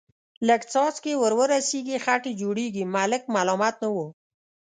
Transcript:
لږ څاڅکي ور ورسېږي، خټې جوړېږي، ملک ملامت نه و.